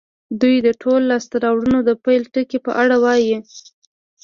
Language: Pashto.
دوی د ټولو لاسته راوړنو د پيل ټکي په اړه وايي.